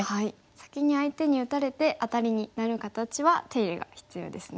先に相手に打たれてアタリになる形は手入れが必要ですね。